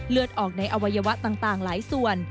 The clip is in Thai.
เลือดออกในอวัยวะต่างหลายส่วน